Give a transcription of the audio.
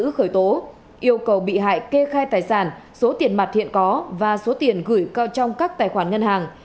nếu không hợp tác sẽ bị bắt giữ khởi tố yêu cầu bị hại kê khai tài sản số tiền mặt hiện có và số tiền gửi cao trong các tài khoản ngân hàng